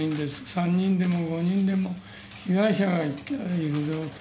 ３人でも５人でも、被害者がいるよと。